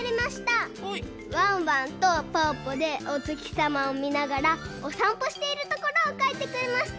ワンワンとぽぅぽでおつきさまをみながらおさんぽしているところをかいてくれました。